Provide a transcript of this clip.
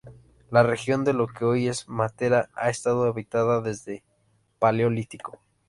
La región de lo que hoy es Matera ha estado habitada desde el Paleolítico.